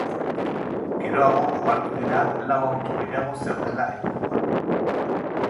Geroago ohartu dira lau auto gehiago zeudela inguruan.